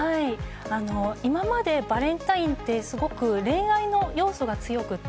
今までバレンタインってすごく恋愛の要素が強くて。